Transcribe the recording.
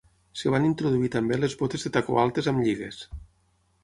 Es van introduir també les botes de tacó altes amb lligues.